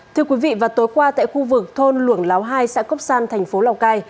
thưa quý vị vào tối qua tại khu vực thôn luồng láo hai xã cốc san thành phố lào cai